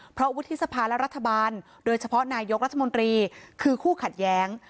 เพราะวุฒิสภาและรัฐบาลโดยเฉพาะนายกรัฐมนตรีคือคู่ขัดแย้ง